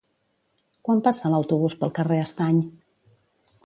Quan passa l'autobús pel carrer Estany?